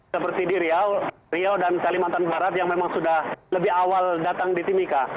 seperti di riau riau dan kalimantan barat yang memang sudah lebih awal datang di timika